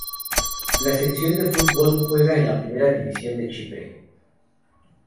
La sección de fútbol juega en la Primera división de Chipre.